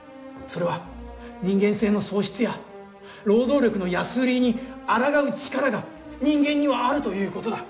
それは人間性の喪失や労働力の安売りに抗う力が人間にはあるということだ。